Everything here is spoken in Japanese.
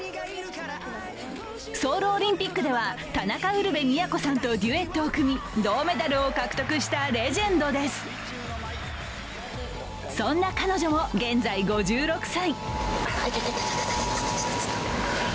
ソウルオリンピックでは田中ウルヴェ京さんとデュエットを組み銅メダルを獲得したレジェンドです、そんな彼女も現在５６歳。